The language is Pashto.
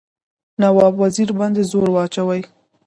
نواب وزیر باندي زور واچوي.